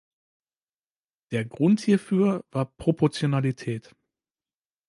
Der Grund hierfür war Proportionalität.